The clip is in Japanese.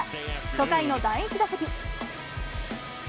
初回の第１打席。